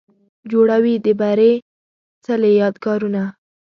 جوړوي د بري څلې، یادګارونه